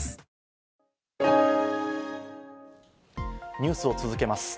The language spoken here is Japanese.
ニュースを続けます。